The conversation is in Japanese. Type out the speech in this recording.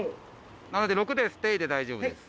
なので６でステイで大丈夫です。